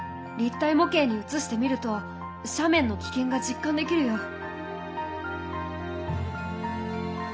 立体模型にうつしてみると斜面の危険が実感できるよ。